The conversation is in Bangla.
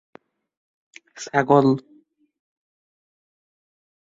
সমগ্র খেলোয়াড়ী জীবনে আটটিমাত্র টেস্ট ও বিশটি একদিনের আন্তর্জাতিকে অংশগ্রহণ করেছেন পিটার মার্টিন।